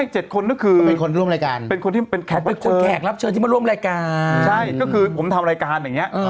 ใช่ก็คือผมทำรายการอย่างนี้